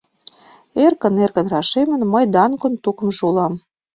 Эркын-эркын рашемын: мый Данкон тукымжо улам!